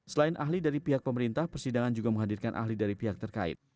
selain ahli dari pihak pemerintah persidangan juga menghadirkan ahli dari pihak terkait